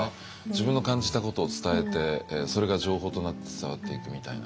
自分の感じたことを伝えてそれが情報となって伝わっていくみたいな。